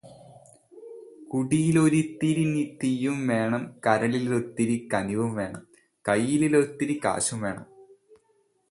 കുടിയിലൊരിത്തിരി തീയും വേണം, കരളിലൊരിത്തിരി കനിവും വേണം ,കൈയിലൊരിത്തിരി കാശും വേണം.